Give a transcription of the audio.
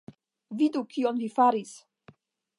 Vidu kion vi faris!